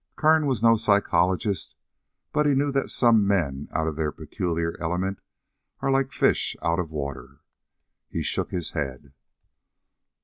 Kern was no psychologist, but he knew that some men out of their peculiar element are like fish out of water. He shook his head.